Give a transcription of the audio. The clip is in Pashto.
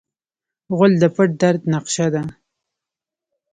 غول د پټ درد نقشه ده.